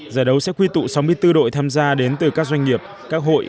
giải đấu sẽ quy tụ sáu mươi bốn đội tham gia đến từ các doanh nghiệp các hội